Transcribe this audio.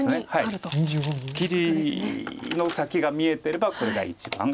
切りの先が見えてればこれが一番。